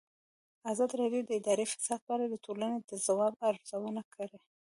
ازادي راډیو د اداري فساد په اړه د ټولنې د ځواب ارزونه کړې.